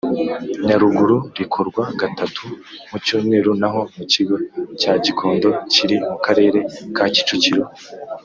Nyaruguru rikorwa gatatu mu cyumweru naho mu kigo cya gikondo kiri mu karere ka kicukiro